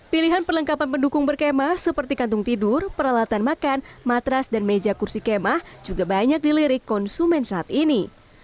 pilihan perlengkapan pendukung berkemah seperti kantung tidur peralatan makan matras dan meja kursi kemah juga banyak dilirik konsumen saat ini